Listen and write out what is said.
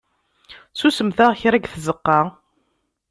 Susmet-aɣ kra deg tzeqqa!